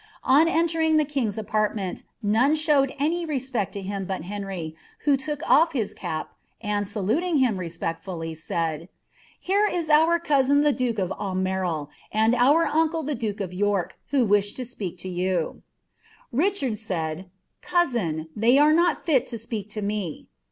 On entering the king's afHirtineni, none sliowed any respect to him but Henrj', who took olf his cap. and, saluting him respectfully, aaiil, ^ Here is our cousin the duke of Aumerte, and our uncle the duka (•{ York, who wish to speah lo you," Richard raid, " Cousini they are III '1 lit to speak to me.''